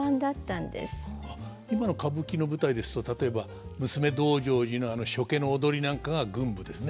今の歌舞伎の舞台ですと例えば「娘道成寺」のあの所化の踊りなんかが群舞ですね。